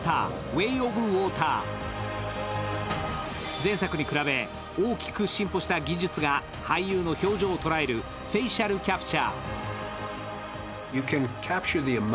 前作に比べ大きく進歩した技術が俳優の表情を捉えるフェイシャルキャプチャ。